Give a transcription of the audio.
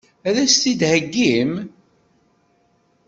Ad as-t-id-theggim?